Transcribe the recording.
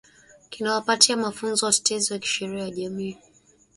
kinawapatia mafunzo watetezi wa kisheria wa kijamii